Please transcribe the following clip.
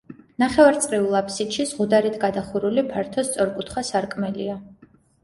ნახევარწრიულ აფსიდში ზღუდარით გადახურული ფართო სწორკუთხა სარკმელია.